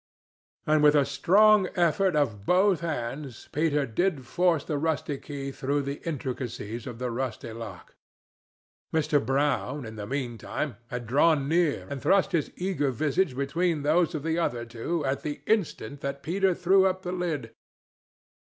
And with a strong effort of both hands Peter did force the rusty key through the intricacies of the rusty lock. Mr. Brown, in the mean time, had drawn near and thrust his eager visage between those of the other two at the instant that Peter threw up the lid.